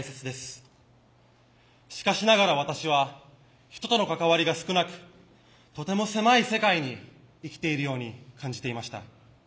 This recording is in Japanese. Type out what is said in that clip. しかしながら私は人との関わりが少なくとても狭い世界に生きているように感じていました。